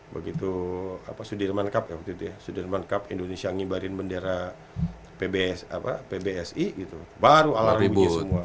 begitu sudirman cup indonesia ngibarin bendera pbsi baru alarmnya semua